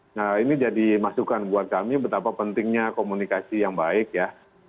nah ini jadi masukan buat kami betapa pentingnya komunikasi yang baik ya